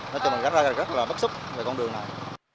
nó cho mình rất là bất xúc về con đường này